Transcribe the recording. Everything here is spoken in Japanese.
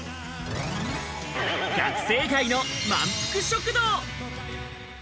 学生街のまんぷく食堂！